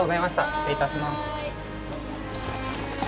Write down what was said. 失礼いたします。